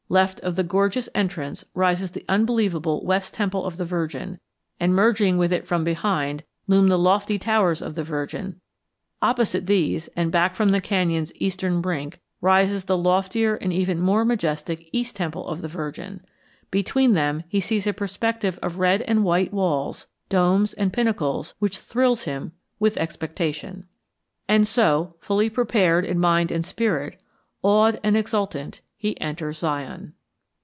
Left of the gorgeous entrance rises the unbelievable West Temple of the Virgin, and, merging with it from behind, loom the lofty Towers of the Virgin. Opposite these, and back from the canyon's eastern brink, rises the loftier and even more majestic East Temple of the Virgin. Between them he sees a perspective of red and white walls, domes, and pinnacles which thrills him with expectation. And so, fully prepared in mind and spirit, awed and exultant, he enters Zion.